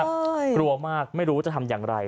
กลัวมากไม่รู้จะทำอย่างไร